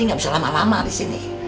nanti gak bisa lama lama disini